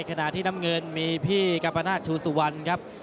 ขณะที่น้ำเงินมีพี่กัมปนาศชูสุวรรณครับ